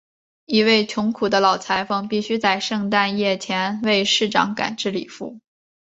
一位穷苦的老裁缝必须在圣诞夜前为市长赶制礼服。